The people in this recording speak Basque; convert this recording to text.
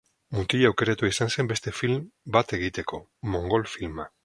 Mutila aukeratua izan zen beste film bat egiteko; Mongol filma.